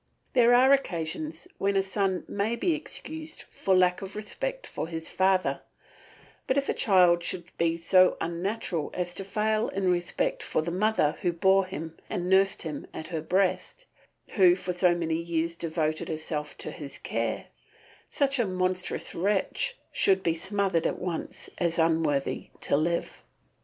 There are occasions when a son may be excused for lack of respect for his father, but if a child could be so unnatural as to fail in respect for the mother who bore him and nursed him at her breast, who for so many years devoted herself to his care, such a monstrous wretch should be smothered at once as unworthy to live.